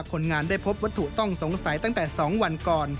คนงานได้พบวัตถุต้องสงสัยตั้งแต่๒วันก่อน